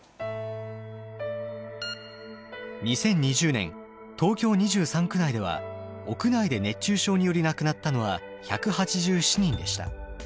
２０２０年東京２３区内では屋内で熱中症により亡くなったのは１８７人でした。